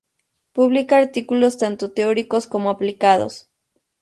Publica artículos tanto teóricos como aplicados.